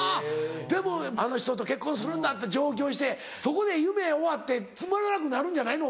でもあの人と結婚するんだって上京してそこで夢終わってつまらなくなるんじゃないの？